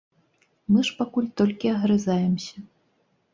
Мы ж пакуль толькі агрызаемся.